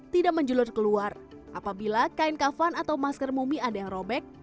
tidak menjulur keluar apabila kain kafan atau masker mumi ada yang robek